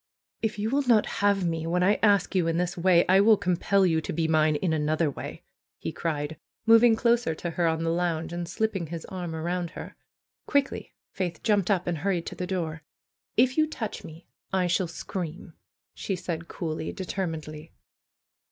^Hf you will not have me when I ask you in this way, I will compel you to be mine in another way," he cried, moving closer to her on the lounge, and slipping his arm around her. Quickly Faith jumped up and hurried to the door. ''If you touch me I shall scream," she said coolly, determinedly.